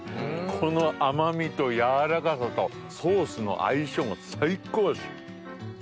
この甘みと軟らかさとソースの相性が最高です。